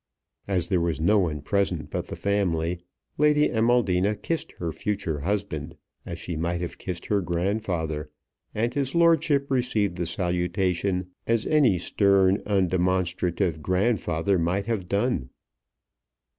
As there was no one present but the family, Lady Amaldina kissed her future husband, as she might have kissed her grandfather, and his lordship received the salutation as any stern, undemonstrative grandfather might have done.